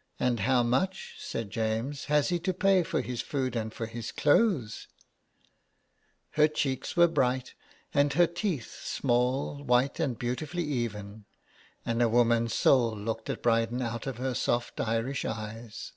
" And how much," said James, '' has he to pay for his food and for his clothes ?" Her cheeks were bright and her teeth small, white and beautifully even ; and a woman's soul looked at Bryden out of her soft Irish eyes.